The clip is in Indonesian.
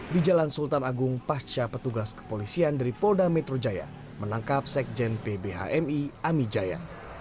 di jalan sultan agung pasca petugas kepolisian dari polda metro jaya menangkap sekjen pb hmi amijaya